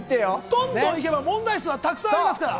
どんどんいけば問題数はたくさんありますから。